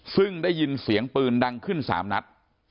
ซึ่งได้ยินเสียงปืนดังขึ้น๓นัด